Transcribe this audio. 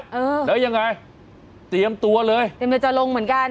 หลังจากนี้ก็เริ่มสปานให้หล่างเออแล้วยังไงเตรียมตัวเลยเตรียมในจรงเหมือนกัน